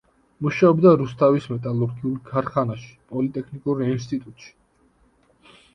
მუშაობდა რუსთავის მეტალურგიულ ქარხანაში, პოლიტექნიკურ ინსტიტუტში.